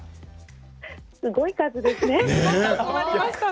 すごい数ですね。